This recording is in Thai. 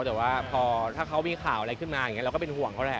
แต่ว่าพอถ้าเขามีข่าวอะไรขึ้นมาอย่างนี้เราก็เป็นห่วงเขาแหละ